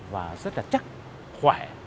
và rất là chắc khỏe